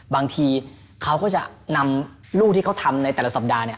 บางทีเขาก็จะนำลูกที่เขาทำในแต่ละสัปดาห์เนี่ย